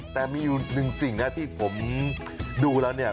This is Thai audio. แต่มีอยู่หนึ่งสิ่งนะที่ผมดูแล้วเนี่ย